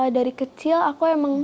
dari kecil aku emang